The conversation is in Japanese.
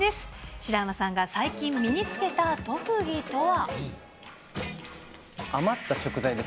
白濱さんが最近身につけた特技とは。